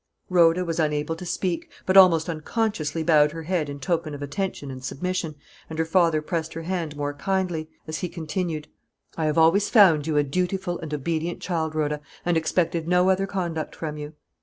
Rhoda was unable to speak, but almost unconsciously bowed her head in token of attention and submission, and her father pressed her hand more kindly, as he continued: "I have always found you a dutiful and obedient child, Rhoda, and expected no other conduct from you.